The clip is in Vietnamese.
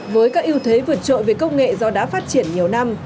với các ưu thế vượt trội về công nghệ do đã phát triển nhiều năm